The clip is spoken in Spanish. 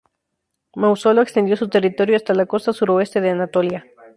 Mausolo extendió su territorio hasta la costa suroeste de Anatolia.